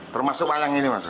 termasuk ayang ini mas